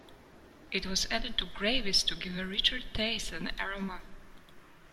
It was added to gravies to give a richer taste and aroma.